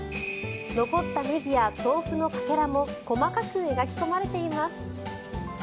残ったネギや豆腐のかけらも細かく描き込まれています。